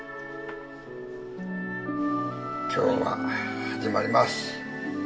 今日は始まります